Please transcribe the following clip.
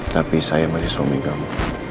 tapi saya masih suami kamu